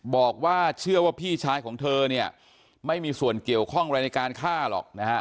บอกว่าเชื่อว่าพี่ชายของเธอเนี่ยไม่มีส่วนเกี่ยวข้องอะไรในการฆ่าหรอกนะฮะ